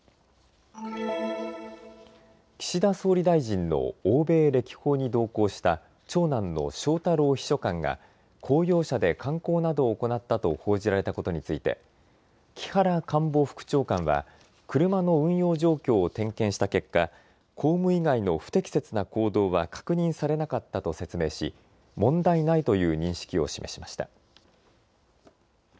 岸田総理大臣の欧米歴訪に同行した長男の翔太郎秘書官が公用車で観光などを行ったと報じられたことについて木原官房副長官は車の運用状況を点検した結果、公務以外の不適切な行動は確認されなかったと説明し問題ないという認識を示しました。